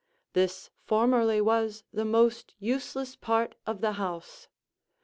This formerly was the most useless part of the house.